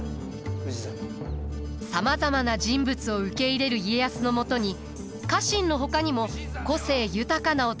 さまざまな人物を受け入れる家康のもとに家臣のほかにも個性豊かな男たちが集います。